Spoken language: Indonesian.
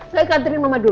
saya kan kanterin mama dulu